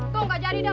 tuh nggak jadi dah